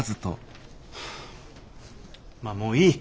まあもういい。